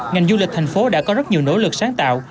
ngành du lịch thành phố đã có rất nhiều nỗ lực sáng tạo